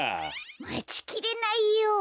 まちきれないよ。